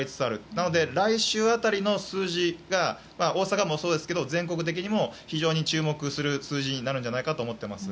なので、来週辺りの数字が大阪もそうですけど全国的にも非常に注目する数字になっているのではと思います。